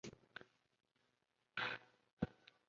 剖析过程中的各种状态即是由这些封闭集所构成。